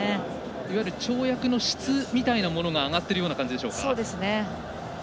いわゆる跳躍の質みたいなものが上がっているような感じでしょうか。